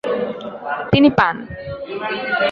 তিনি পান।